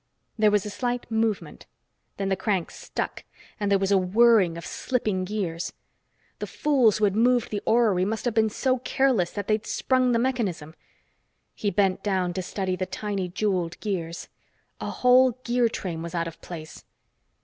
There was a slight movement. Then the crank stuck, and there was a whirring of slipping gears! The fools who had moved the orrery must have been so careless that they'd sprung the mechanism. He bent down to study the tiny little jeweled gears. A whole gear train was out of place!